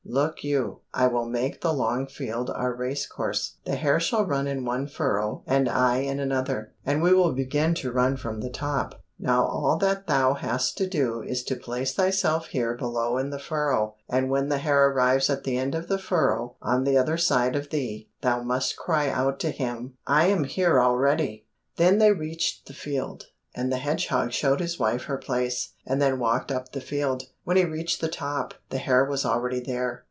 Look you, I will make the long field our race course. The hare shall run in one furrow, and I in another, and we will begin to run from the top. Now all that thou hast to do is to place thyself here below in the furrow, and when the hare arrives at the end of the furrow, on the other side of thee, thou must cry out to him, 'I am here already!'" Then they reached the field, and the hedgehog showed his wife her place, and then walked up the field. When he reached the top, the hare was already there.